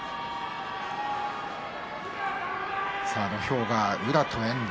土俵は宇良と遠藤。